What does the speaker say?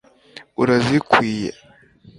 urazikwiye